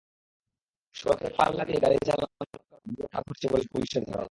সড়কে পাল্লা দিয়ে গাড়ি চালানোর কারণেই দুর্ঘটনাটি ঘটেছে বলে পুলিশের ধারণা।